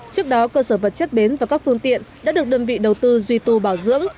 trước đó cơ sở vật chất bến và các phương tiện đã được đơn vị đầu tư duy tu bảo dưỡng